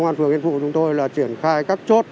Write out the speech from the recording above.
công an phường yên phụ chúng tôi là triển khai các chốt